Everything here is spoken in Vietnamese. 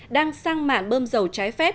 đang sang mạng bơm dầu trái phép